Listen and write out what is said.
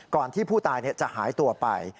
ก่อนที่ผู้ตายจะหายตัวไป